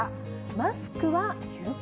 マスクは有効？